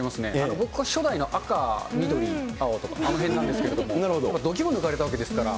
僕は初代の赤、緑、青とかあのへんなんですけれども、度肝抜かれたわけですから。